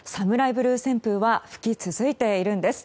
ブルー旋風は吹き続いているんです。